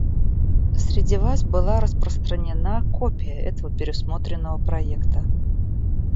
Среди вас была распространена копия этого пересмотренного проекта.